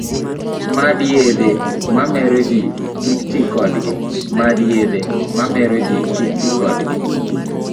Mad yedhe mamero ji kik ti kodgi